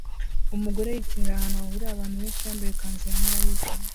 Umugore yikinira ahantu hahurira abantu benshi yambaye ikanzu ya malayika